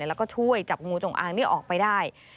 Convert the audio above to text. แล้วก็ช่วยจับงูจงอางนี้ออกไปได้